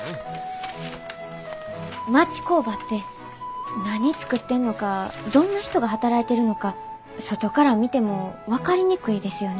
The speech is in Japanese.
町工場って何作ってんのかどんな人が働いてるのか外から見ても分かりにくいですよね。